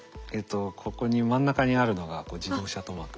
ここに真ん中にあるのが自動車塗膜です。